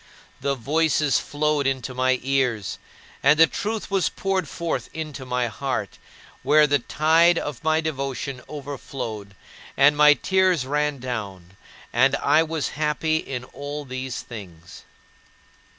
The voices flowed into my ears; and the truth was poured forth into my heart, where the tide of my devotion overflowed, and my tears ran down, and I was happy in all these things.